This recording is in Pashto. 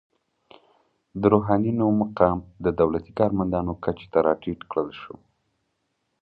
د روحانینو مقام د دولتي کارمندانو کچې ته راټیټ کړل شو.